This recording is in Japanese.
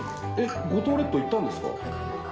五島列島行ったんですか？